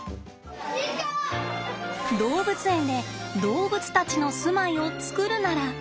動物園で動物たちの住まいを作るなら。